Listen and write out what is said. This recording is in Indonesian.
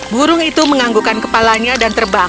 burung itu menganggukkan kepalanya dan terbang